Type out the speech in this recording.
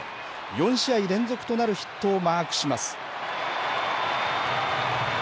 ４試合連続となるヒットをマークします。